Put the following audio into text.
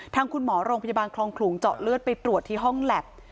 ทางคุณหมอโรงพยาบาลคลองขลุงเจาะเลือดไปตรวจที่ห้องแล็บ